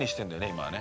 今はね。